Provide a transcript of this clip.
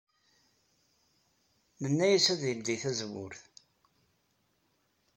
Nenna-as ad yeldey tazewwut.